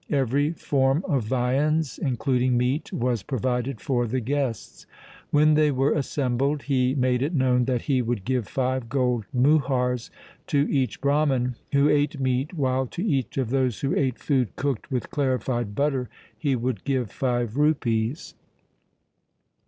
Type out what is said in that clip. Every form of viands, including meat, was provided for the guests. When they were assembled, he made it known that he would give five gold muhars to each Brahman who ate meat, while to each of those who ate food cooked with clarified butter he would give five rupees.